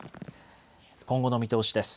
今後の見通しです。